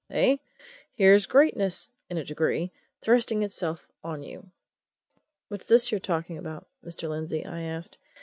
eh? Here's greatness in a degree thrusting itself on you!" "What's this you're talking about, Mr. Lindsey?" I asked.